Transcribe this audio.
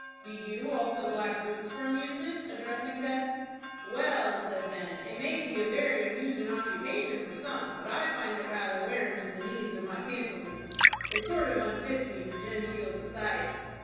"Do you also black boots for amusement?" addressing Ben. "Well," said Ben, "it may be a very amoosin' occupation for some, but I find it rather wearin' to the knees of my pantaloons. It sort of unfits me for genteel society."